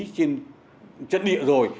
trên chất địa rồi